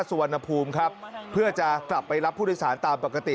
สุวรรณภูมิครับเพื่อจะกลับไปรับผู้โดยสารตามปกติ